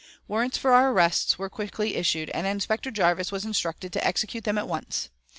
Warrants for our arrests were quickly issued, and Inspector Jarvis was instructed to execute them at once.